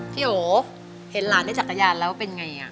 โอเห็นหลานได้จักรยานแล้วเป็นไง